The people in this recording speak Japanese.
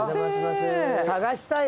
探したよ。